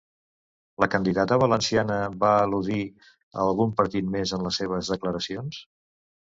La candidata valenciana va al·ludir a algun partit més en les seves declaracions?